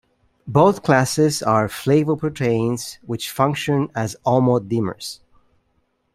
Both classes are flavoproteins which function as homodimers.